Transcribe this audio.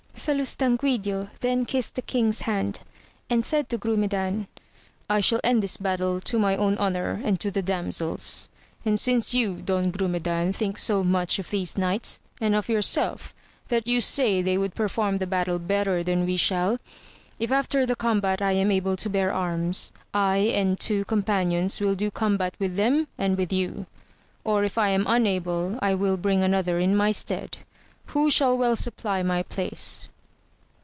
Salustanquidio then kissed the king's hand, and said to Grumedan, I shall end this battle to my own 32 AMADIS OF GAUL. honour and to the damsel's ; and since you Don Grumedan think so much of these knights and of yourself that you say they would perform the battle better than we shall ; if after the combat I am able to bear arms, I and two companions will do combat with them and with you, or if I am unable I will bring another in my stead, who shall well supply my place.